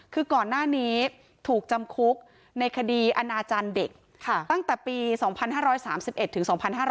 คือก่อนหน้านี้ถูกจำคุกในคดีอนาจารย์เด็กตั้งแต่ปี๒๕๓๑ถึง๒๕๕๙